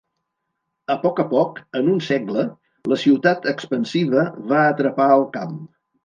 A poc a poc, en un segle, la ciutat expansiva va atrapar el camp.